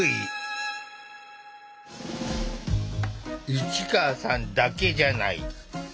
市川さんだけじゃない。